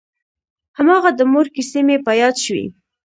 هماغه د مور کيسې مې په ياد شوې.